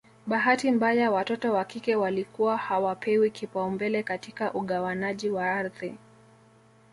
Bahati mbaya watoto wa kike walikuwa hawapewi kipaumbele katika ugawanaji wa ardhi